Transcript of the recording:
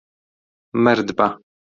مەرد بە.